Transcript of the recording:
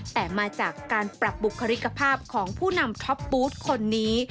แต่มาจากการปรับบุคลิกภาพของผู้นำท็อปบูธคนนี้